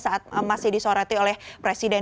saat masih disoroti oleh presiden